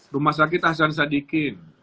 rumah sakit hasan sadikin